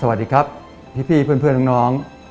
สวัสดีครับพี่เพื่อนน้อง